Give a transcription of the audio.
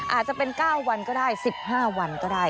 อาจจะเป็น๙วันก็ได้๑๕วันก็ได้